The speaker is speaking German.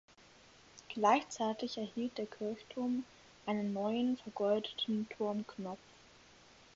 Gleichzeitig erhielt der Kirchturm einen neuen vergoldeten Turmknopf.